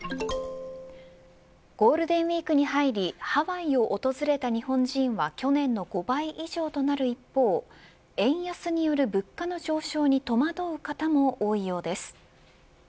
ゴールデンウイークに入りハワイを訪れた日本人は去年の５倍以上となる一方円安による物価の上昇に戸惑う方も多いようです。